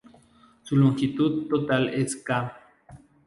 Su longitud total es ca.